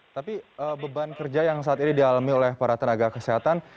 tapi beban kerja yang saat ini dialami oleh para tenaga kesehatan